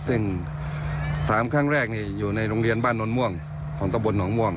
ซึ่ง๓ครั้งแรกอยู่ในโรงเรียนบ้านโน้นม่วงของตะบลหนองม่วง